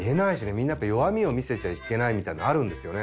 みんなやっぱ弱みを見せちゃいけないみたいなのあるんですよね。